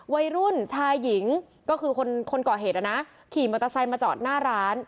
วัยรุ่นชายหญิงก็คือคนคนก่อเหตุนะนะขี่มอเตอร์ไซค์มาจอดหน้าร้าน